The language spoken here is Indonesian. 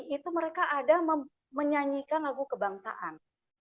itu mereka ada menyanyikan lagu kebangsaan